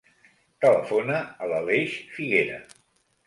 Telefona a l'Aleix Figuera.